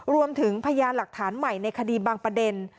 รวมถึงพยายามหลักฐานใหม่ในคดีบางประเด็น